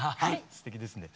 すてきですね。